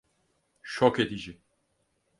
Şok edici.